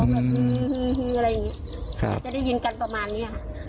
แบบอะไรอย่างนี้จะได้ยินกันประมาณนี้ค่ะ